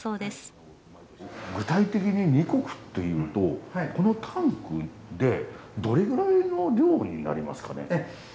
具体的に２石というとこのタンクでどれぐらいの量になりますかね？